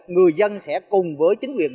người dân sẽ cùng với chính quyền